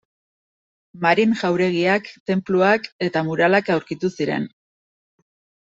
Marin jauregiak, tenpluak eta muralak aurkitu ziren.